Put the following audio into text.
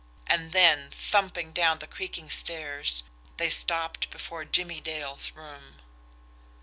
And then, thumping down the creaking stairs, they stopped before Jimmie Dale's room.